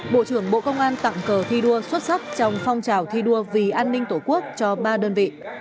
bộ trưởng bộ công an tặng cờ thi đua xuất sắc trong phong trào thi đua vì an ninh tổ quốc cho ba đơn vị